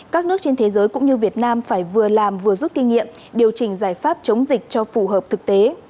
các nước trên thế giới cũng như việt nam phải vừa làm vừa rút kinh nghiệm điều chỉnh giải pháp chống dịch cho phù hợp thực tế